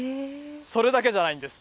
それだけじゃないんです。